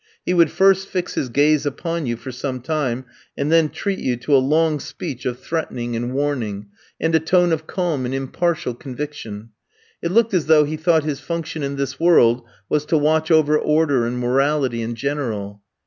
He would first fix his gaze upon you for some time, and then treat you to a long speech of threatening and warning, and a tone of calm and impartial conviction. It looked as though he thought his function in this world was to watch over order and morality in general.